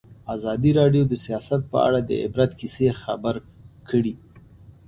ازادي راډیو د سیاست په اړه د عبرت کیسې خبر کړي.